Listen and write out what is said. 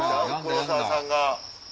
黒沢さんが。